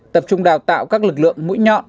tập trung đào tạo các lực lượng mũi nhọn